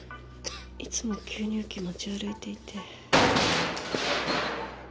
いつも吸入器持ち歩いていて。